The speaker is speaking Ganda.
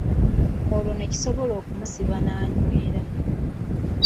Olwo ne kisobola okumusiba n’anywera .